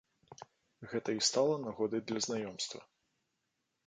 Гэта і стала нагодай для знаёмства.